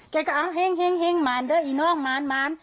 แกก็เอาแห้งมาร์รด้วยอีน่องมาร์ร